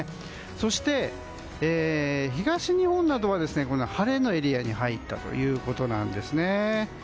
そして、東日本などは晴れのエリアに入ったということです。